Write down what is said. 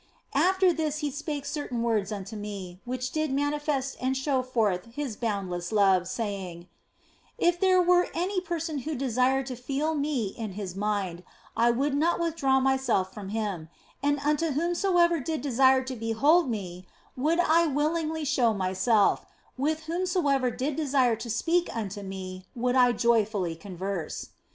After this He spake certain words unto me which did manifest and show forth His boundless love, saying :" If there were any person who desired to feel Me in his mind, I would not withdraw Myself from him ; and unto whomsoever did desire to behold Me would I willingly show Myself, and with whomsoever did desire to speak unto Me would I joyfully converse."